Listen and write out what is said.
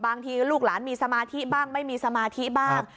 ลูกหลานมีสมาธิบ้างไม่มีสมาธิบ้าง